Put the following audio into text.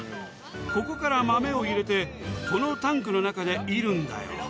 ここから豆を入れてこのタンクの中でいるんだよ。